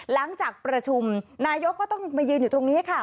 หลังจากประชุมนายกก็ต้องมายืนอยู่ตรงนี้ค่ะ